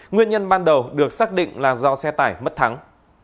nguyên nhân ban đầu được xác định là do xe tải mất thắng